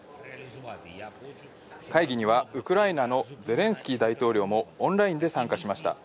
会議には、ウクライナのゼレンスキー大統領もオンラインで参加しました。